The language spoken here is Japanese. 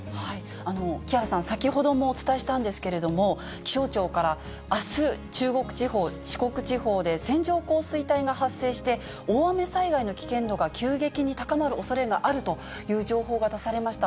木原さん、先ほどもお伝えしたんですけれども、気象庁から、あす、中国地方、四国地方で線状降水帯が発生して、大雨災害の危険度が急激に高まるおそれがあるという情報が出されました。